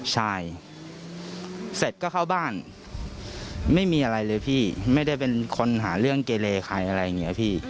ใช่เสร็จก็เข้าบ้านไม่มีอะไรเลยพี่ไม่ได้เป็นคนหาเรื่องเกเลใครอะไรอย่างนี้พี่